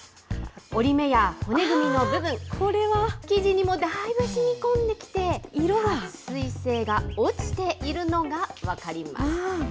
折り目や骨組みの部分、生地にもだいぶしみこんできて、色がはっ水性が落ちているのが分かります。